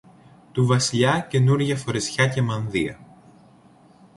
του Βασιλιά καινούρια φορεσιά και μανδύα